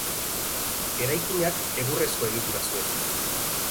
Eraikina egurrezko egitura zuen.